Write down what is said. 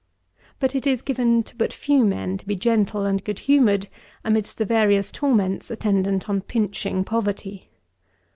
But it is given to but few men to be gentle and good humoured amidst the various torments attendant on pinching poverty.